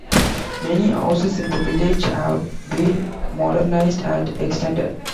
Many houses in the village have been modernised and extended.